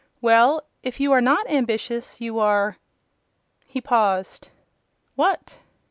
"Well, if you are not ambitious, you are—" He paused. "What?"